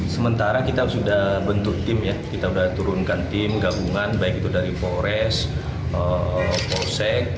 sementara kita sudah bentuk tim ya kita sudah turunkan tim gabungan baik itu dari polres polsek